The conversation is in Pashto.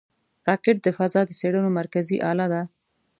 راکټ د فضا د څېړنو مرکزي اله ده